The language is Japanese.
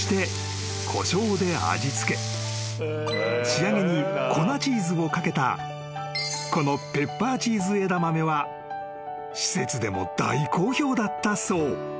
［仕上げに粉チーズをかけたこのペッパーチーズ枝豆は施設でも大好評だったそう］